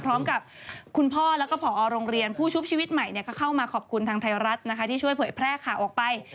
พร้อมกับคุณพ่อแล้วก็ผอโรงเรียนผู้ชุบชีวิตใหม่ก็เข้ามาขอบคุณทางไทยรัฐนะคะที่ช่วยเผยแพร่ข่าวออกไป